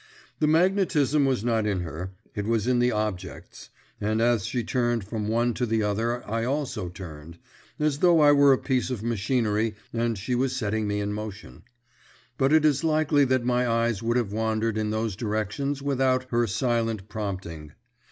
The magnetism was not in her, it was in the objects, and as she turned from one to the other I also turned as though I were a piece of machinery and she was setting me in motion. But it is likely that my eyes would have wandered in those directions without her silent prompting.